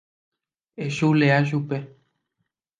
Echulea chupe.